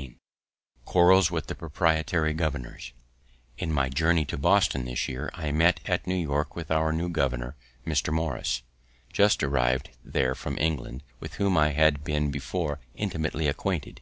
XV QUARRELS WITH THE PROPRIETARY GOVERNORS In my journey to Boston this year, I met at New York with our new governor, Mr. Morris, just arriv'd there from England, with whom I had been before intimately acquainted.